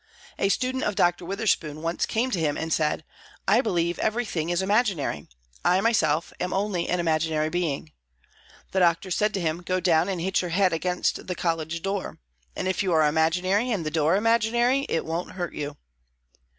A student of Doctor Witherspoon once came to him and said, "I believe everything is imaginary! I myself am only an imaginary being." The Doctor said to him, "Go down and hit your head against the college door, and if you are imaginary and the door imaginary, it won't hurt you."